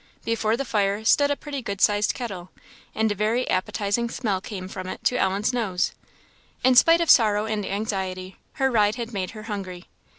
Before the fire stood a pretty good sized kettle, and a very appetizing smell came from it to Ellen's nose. In spite of sorrow and anxiety, her ride had made her hungry.